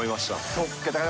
そっか、